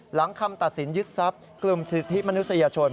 หลังคำตัดสินยึดทรัพย์กลุ่มทฤษฐิมนุษยชน